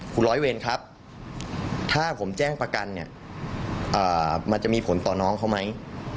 คุณร้อยเวรครับถ้าผมแจ้งประกันเนี่ยมันจะมีผลต่อน้องเขาไหม